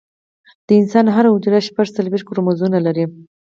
د انسان هره حجره شپږ څلوېښت کروموزومونه لري